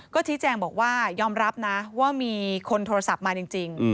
ก็ชี้แจงบอกว่ายอมรับนะว่ามีคนโทรศัพท์มาจริง